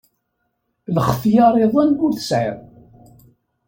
Lxetyar-iḍen ur t-tesɛiḍ.